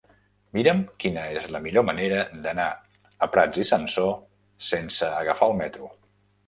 Mira'm quina és la millor manera d'anar a Prats i Sansor sense agafar el metro.